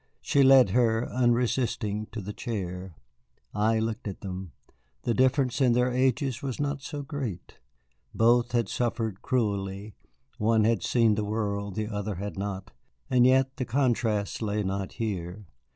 She led her, unresisting, to a chair. I looked at them. The difference in their ages was not so great. Both had suffered cruelly; one had seen the world, the other had not, and yet the contrast lay not here.